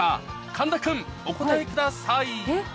神田君お答えくださいえっ？